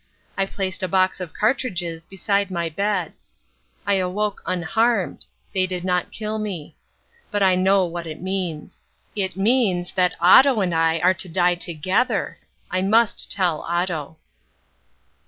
I placed a box of cartridges beside my bed. I awoke unharmed. They did not kill me. But I know what it means. It means that Otto and I are to die together. I must tell Otto.